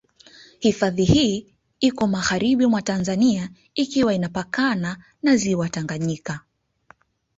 Hifadhi hii iko magharibi mwa Tanzania ikiwa inapakana na Ziwa Tanganyika.